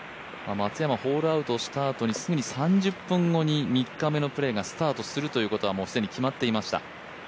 松山ホールアウトしたあと３０分後に３日目のプレーがスタートすることは既に決まっていました。